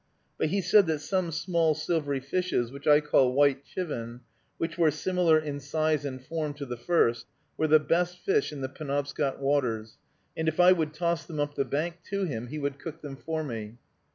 But he said that some small silvery fishes, which I called white chivin, which were similar in size and form to the first, were the best fish in the Penobscot waters, and if I would toss them up the bank to him, he would cook them for me.